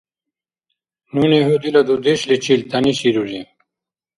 Нуни хӀу дила дудешличил тяниширури.